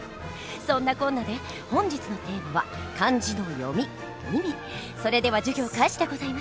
そんなこんなで本日のテーマはそれでは授業開始でございます。